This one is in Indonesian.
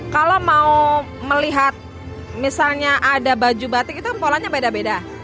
kalau mau melihat misalnya ada baju batik itu polanya beda beda